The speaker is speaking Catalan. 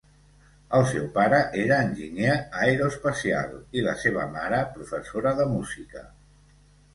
El seu pare era enginyer aeroespacial, i la seva mare, professora de música.